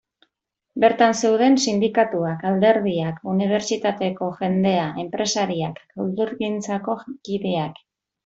Bertan zeuden sindikatuak, alderdiak, unibertsitateko jendea, enpresariak, kulturgintzako kideak...